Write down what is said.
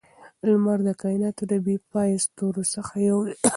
لمر د کائناتو د بې پایه ستورو څخه یو دی.